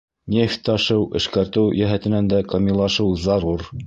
— Нефть ташыу, эшкәртеү йәһәтенән дә камиллашыу зарур.